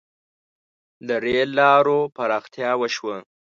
• د رېل لارو پراختیا وشوه.